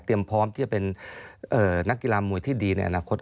พร้อมที่จะเป็นนักกีฬามวยที่ดีในอนาคต